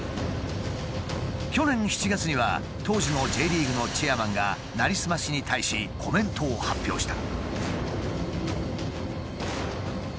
去年７月には当時のＪリーグのチェアマンがなりすましに対しコメントを発表した。